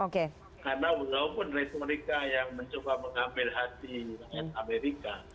karena walaupun rektor mereka yang mencoba mengambil hati rakyat amerika